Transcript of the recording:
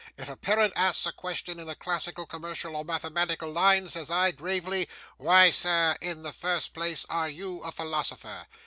If a parent asks a question in the classical, commercial, or mathematical line, says I, gravely, "Why, sir, in the first place, are you a philosopher?"